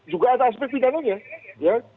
juga ada aspek pidananya